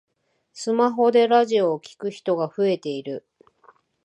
スマホでラジオを聞く人が増えている